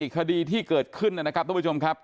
คดีที่เกิดขึ้นนะครับทุกผู้ชมครับ